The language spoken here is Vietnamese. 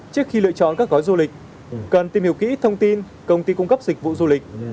trước khi lựa chọn các gói du lịch cần tìm hiểu kỹ thông tin công ty cung cấp dịch vụ du lịch